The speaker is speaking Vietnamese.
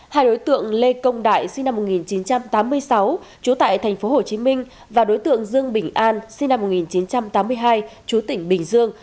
hai đối tượng lê công đại sinh năm một nghìn chín trăm tám mươi sáu trú tại tp hcm và đối tượng dương bình an sinh năm một nghìn chín trăm tám mươi hai chú tỉnh bình dương